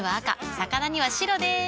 魚には白でーす。